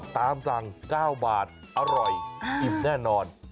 ตามสั่ง๙บาทอร่อยอิ่มแน่นอน